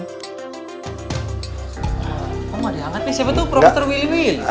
kok nggak diangkat nih siapa tuh profesor willy willy